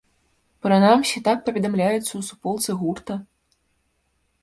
Прынамсі так паведамляецца ў суполцы гурта.